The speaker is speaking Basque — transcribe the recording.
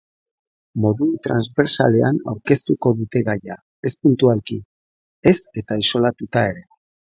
Modu transbertsalean aurkeztuko dute gaia, ez puntualki, ez eta isolatuta ere.